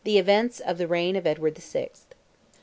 EVENTS OF THE REIGN OF EDWARD SIXTH.